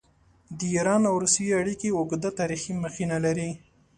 د ایران او روسیې اړیکې اوږده تاریخي مخینه لري.